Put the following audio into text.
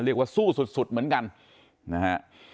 เรียกว่าสู้สุดเหมือนกันนะฮะ